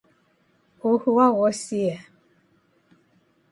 Uhu waghosia.